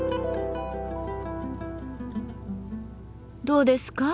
どうですか？